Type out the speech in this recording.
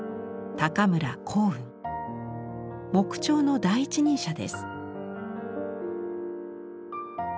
木彫の第一人者です。